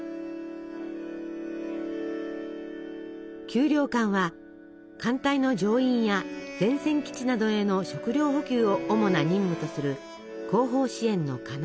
給糧艦は艦隊の乗員や前線基地などへの食糧補給を主な任務とする後方支援の要。